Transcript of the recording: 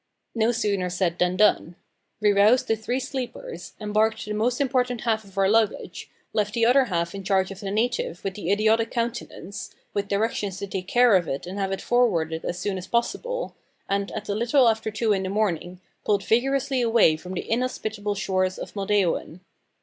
No sooner said than done. We roused the three sleepers, embarked the most important half of our luggage; left the other half in charge of the native with the idiotic countenance, with directions to take care of it and have it forwarded as soon as possible, and, at a little after two in the morning, pulled vigorously away from the inhospitable shores of Moldeoen.